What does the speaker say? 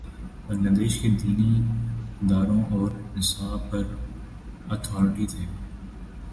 بنگلہ دیش کے دینی اداروں اور نصاب پر اتھارٹی تھے۔